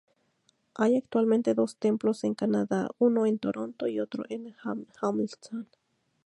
Hay actualmente dos templos en Canadá, uno en Toronto y otro en Hamilton.